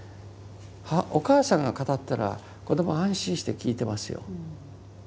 お母さんが語ったら子どもは安心して聞いてますよ。